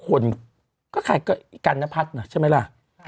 คุณก็ค่อยกรรนพัฒน์ใช่มั้ยล่ะ